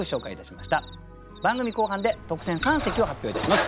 番組後半で特選三席を発表いたします。